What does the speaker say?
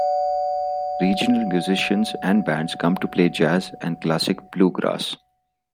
Regional musicians and bands come to play jazz and classic bluegrass.